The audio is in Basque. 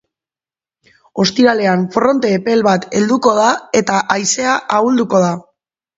Ostiralean fronte epel bat helduko da, eta haizea ahulduko da.